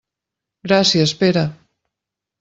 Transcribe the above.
Gràcies, Pere.